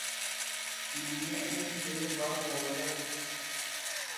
Mə mɛ́ʼnə̄ nzə mbwǎ pɔ lâ.